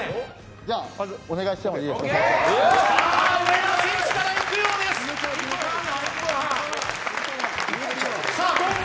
じゃ、お願いしてもいいですか。